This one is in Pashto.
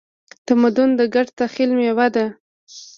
تمدن د ګډ تخیل میوه ده.